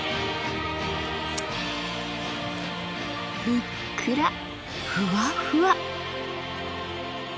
ふっくらふわふわ！